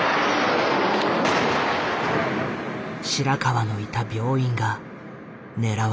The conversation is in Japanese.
白川のいた病院が狙われた。